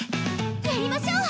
やりましょう！